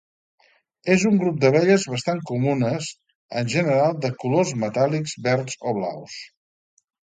És un grup d'abelles bastant comunes, en general de colors metàl·lics verds o blaus.